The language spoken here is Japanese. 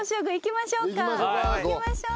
行きましょう。